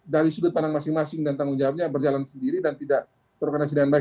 dari sudut pandang masing masing dan tanggung jawabnya berjalan sendiri dan tidak terkena sederhana